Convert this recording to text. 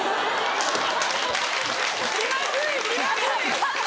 気まずい気まずい。